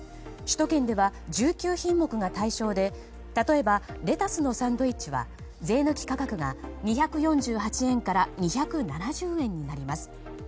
首都圏では１９品目が対象で例えば、レタスのサンドイッチは税抜き価格が２４８円から２７０円になります。